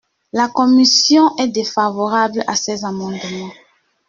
La commission est défavorable à ces amendements.